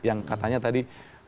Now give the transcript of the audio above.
yang katanya tadi